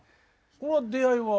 これは出会いは？